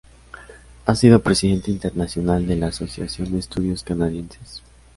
Ha sido Presidente Internacional de la Asociación de Estudios Canadienses.